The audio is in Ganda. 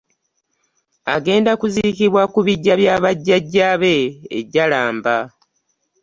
Agenda kuziikibwa ku ku biggya bya bajjajjaabe e Jalamba